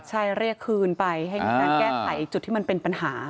ใช่เรียกคืนไปให้มีการแก้ไขจุดที่มันเป็นปัญหา